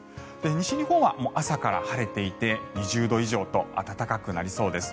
西日本は朝から晴れていて２０度以上と暖かくなりそうです。